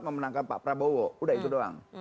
memenangkan pak prabowo udah itu doang